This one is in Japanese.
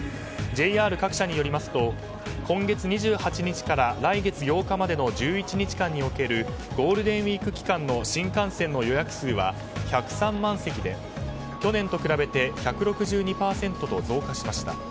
ＪＲ各社によりますと今月２８日から来月８日までの１１日間におけるゴールデンウィーク期間の新幹線の予約数は１０３万席で去年と比べて１６２％と増加しました。